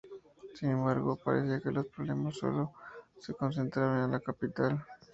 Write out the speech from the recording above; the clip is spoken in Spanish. Sin embargo, parecía que los problemas sólo se concentraban en la capital.